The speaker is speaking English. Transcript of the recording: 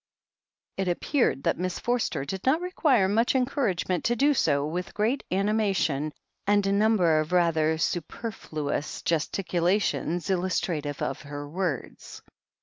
It appeared that Miss Forster did not require much encouragement to do so with great animation, and a ntmiber of rather superfluous gesticulations, illustra tive of her words.